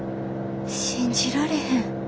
信じられへん。